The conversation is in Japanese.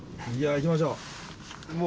行きましょう